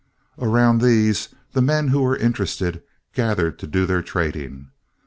Around these the men who were interested gathered to do their trading.